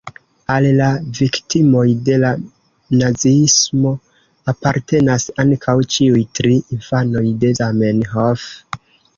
Al la viktimoj de la naziismo apartenas ankaŭ ĉiuj tri infanoj de Zamenhof.